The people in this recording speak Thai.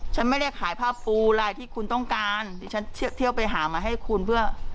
ฉันไม่ได้ขายภาพฟูไลน์ที่คุณต้องการดิฉันเที่ยวไปหามาให้คุณเพื่อ